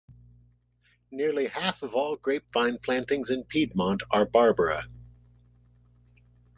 Nearly half of all grape vine plantings in Piedmont are Barbera.